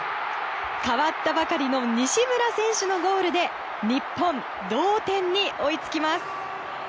代わったばかりの西村選手のゴールで日本、同点に追いつきます。